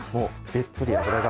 べっとり脂が。